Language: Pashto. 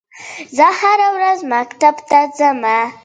چې Mark Isham ترتيب کړې ده.